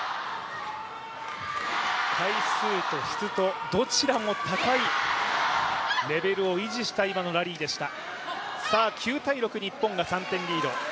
回数と質と、どちらも高いレベルを維持した、今のラリーでした